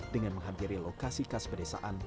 dengan menghampiri lokasi khas pedesaan